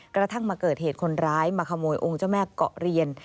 กระทั่งมาเกิดเหตุคนร้ายมาขโมยองค์เจ้าแม่เกาะเรียน